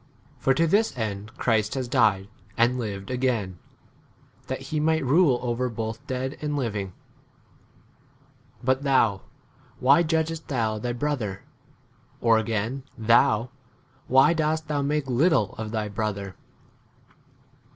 9 For to this [end] Christ has k died and lived again, 1 that he might rule 10 over both dead and living. But thou, why judgest thou thy bro ther ? or again, thou, why dost thou make little of thy brother